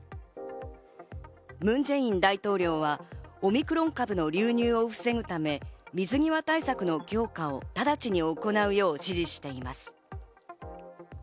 ムン・ジェイン大統領はオミクロン株の流入を防ぐため、水際対策の強化を直ちに行うよう指示しています。